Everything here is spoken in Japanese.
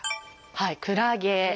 はいクラゲ。